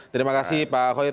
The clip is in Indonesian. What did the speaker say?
terima kasih pak khoir